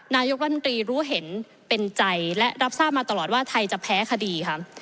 นายกรัฐมนตรีรู้เห็นเป็นใจและรับทราบมาตลอดว่าไทยจะแพ้คดีค่ะ